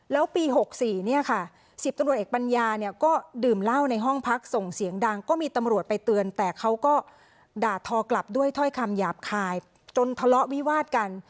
แล้วปี๖๔เนี่ยค่ะ๑๐ตำรวจเอกปัญญาเนี่ยก็ดื่มเหล้าในห้องพักส่งเสียงดังก็มีตำรวจไปเตือนแต่เขาก็ด่าทอกลับด้วยถ้อยคำหยาบคายจนทะเลาะวิวาดกัน